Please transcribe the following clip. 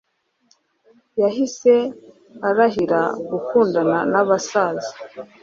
yahise arahira gukundana n’abasaza